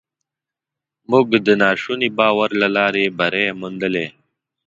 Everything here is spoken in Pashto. موږ د ناشوني باور له لارې بری موندلی.